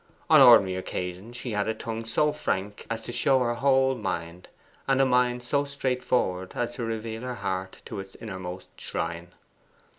On ordinary occasions she had a tongue so frank as to show her whole mind, and a mind so straightforward as to reveal her heart to its innermost shrine.